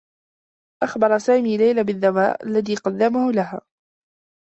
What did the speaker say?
أخبر سامي ليلى بالدّواء الذي قدّمه لها.